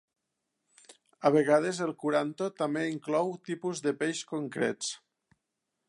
A vegades, el curanto també inclou tipus de peix concrets.